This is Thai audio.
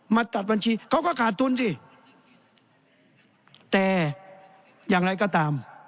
มาตัดบัญชีเขาก็ขาดทุนสิแต่อย่างไรก็ตาม